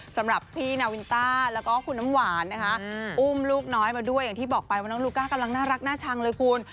สำหรับพี่นาวินต้าแล้วก็คุณน้ำหวานนะคะอุ้มลูกน้อยมาด้วยอย่างที่บอกไปว่าน้องลูก้ากำลังน่ารักน่าชังเลยคุณ